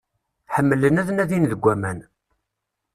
Ḥemmlen ad nadin deg aman.